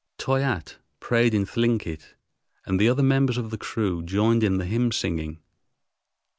Toyatte prayed in Thlinkit, and the other members of the crew joined in the hymn singing.